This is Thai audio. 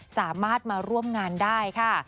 สามารถมาร่วมงานได้ค่ะ